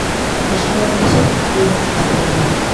A súa orixe é un misterio.